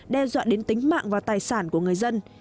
đe dọa đến tính mạng và tài sản của người dân